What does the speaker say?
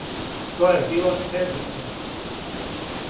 То је било сензационално.